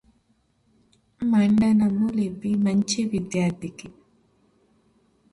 మండనమ్ములివ్వి మంచి విద్యార్థికి